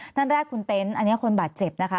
ท่านแรกคุณเต็นต์อันนี้คนบาดเจ็บนะคะ